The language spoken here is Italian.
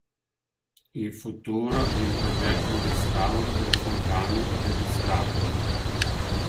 In futuro è in progetto un restauro delle fontane e delle statue.